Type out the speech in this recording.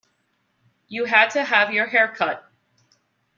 You had to have your hair cut.